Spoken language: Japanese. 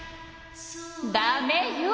ダメよ！